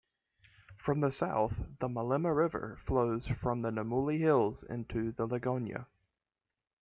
From the south, the Malema River flows from the Namuli hills into the Ligonha.